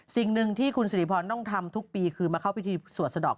สิ่งหนึ่งที่คุณสิริพรต้องทำทุกปีคือมาเข้าพิธีสวดสะดอก